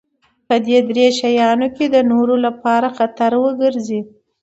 په دې درې شيانو کې د نورو لپاره خطر وګرځي.